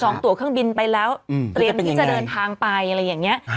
ตัวเครื่องบินไปแล้วเตรียมที่จะเดินทางไปอะไรอย่างนี้